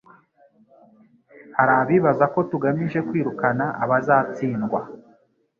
hari abibaza ko tugamije kwirukana abazatsindwa,